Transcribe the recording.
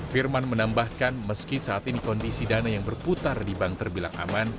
firman menambahkan meski saat ini kondisi dana yang berputar di bank terbilang aman